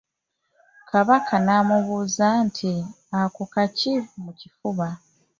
Kabaka n’amubuuza nti ako kaki mu kifuba?